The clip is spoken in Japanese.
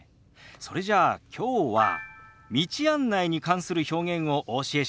それじゃあきょうは道案内に関する表現をお教えしましょう。